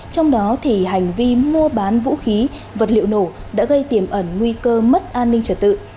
trong đó thì hành vi mua bán vũ khí vật liệu nổ đã gây tiềm ẩn nguy cơ mất an ninh trật tự